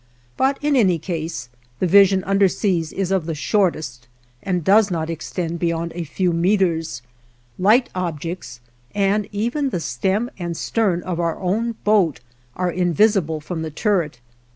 But in any case, the vision underseas is of the shortest, and does not extend beyond a few meters; light objects and even the stem and stern of our own boat are invisible from the turret.